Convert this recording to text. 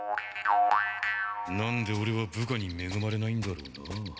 何でオレは部下にめぐまれないんだろうな。